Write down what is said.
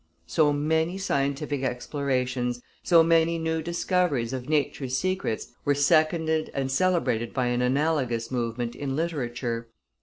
So many scientific explorations, so many new discoveries of nature's secrets were seconded and celebrated by an analogous movement in literature.